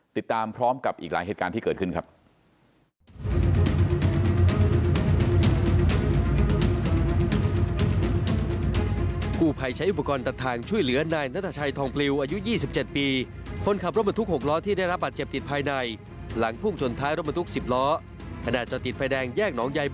ติดตามพร้อมกับอีกหลายเหตุการณ์ที่เกิดขึ้นครับ